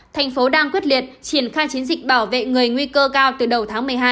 thành phố đang quyết liệt triển khai chiến dịch bảo vệ người nguy cơ cao từ đầu tháng một mươi hai